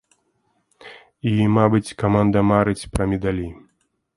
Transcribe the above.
І, мабыць, каманда марыць пра медалі.